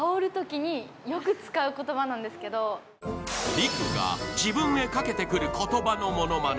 ＲＩＫＵが自分へ掛けて来る言葉のものまね